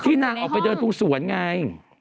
ที่นางออกไปเดินทุกส่วนไง